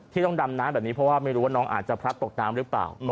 ต้องดำน้ำแบบนี้เพราะว่าไม่รู้ว่าน้องอาจจะพลัดตกน้ำหรือเปล่า